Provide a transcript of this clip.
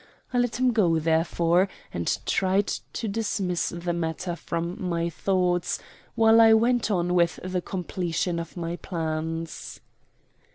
I let him go, therefore, and tried to dismiss the matter from my thoughts, while I went on with the completion of my plans.